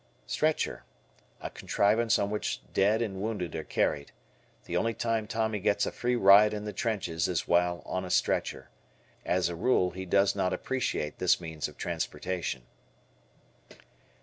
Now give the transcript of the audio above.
Stretcher. A contrivance on which dead and wounded are carried. The only time Tommy gets a free ride in the trenches is while on a stretcher. As a rule he does not appreciate this means of transportation.